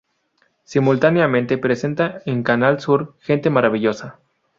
Simultáneamente presenta en Canal Sur "Gente maravillosa".